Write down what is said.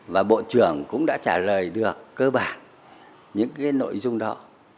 và bộ trưởng cũng đã trả lời được cơ bản những cái nội dung đó